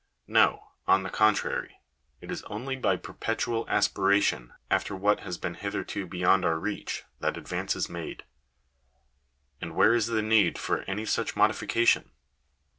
No; on the contrary, it is only by perpetual aspiration after what has been hitherto be yond our reach, that advance is made. And where is the need for any such modification